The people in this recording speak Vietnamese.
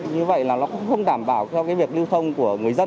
như vậy là nó cũng không đảm bảo cho cái việc lưu thông của người dân